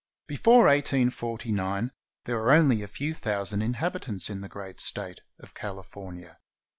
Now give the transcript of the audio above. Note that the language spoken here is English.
Before 1849 there were only a few thousand inhabit ants in the great State of California.